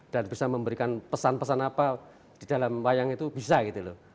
dan bisa memberikan pesan pesan apa di dalam wayang itu bisa gitu loh